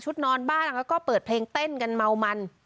นอนบ้านแล้วก็เปิดเพลงเต้นกันเมามัน